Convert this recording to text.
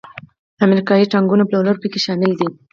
امریکایي ټانکونو پلورل پکې شامل دي.